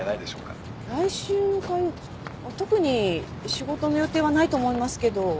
特に仕事の予定はないと思いますけど。